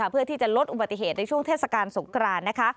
เพื่อที่จะลดอุบัติเหตุในช่วงเทศกาลสงครานนะคะ